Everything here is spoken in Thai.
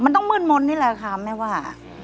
มันต้องมืดมนต์นี่แหละค่ะแม่ว่า